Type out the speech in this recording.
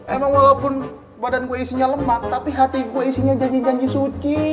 emang walaupun badan gua isinya lemah tapi hati gua isinya janji janji suci